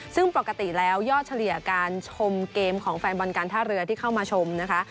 ซึ่งปกติแล้วยอดเฉลี่ยการชมเกมของแฟนบอลการท่าเรือที่เข้ามาชมนะคะ